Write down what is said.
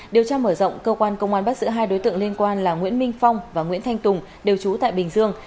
điều tra mở rộng cơ quan công an bắt giữ hai đối tượng liên quan là nguyễn minh phong và nguyễn thanh tùng đều trú tại bình dương